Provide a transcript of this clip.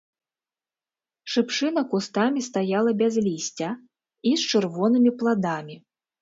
Шыпшына кустамі стаяла без лісця і з чырвонымі пладамі.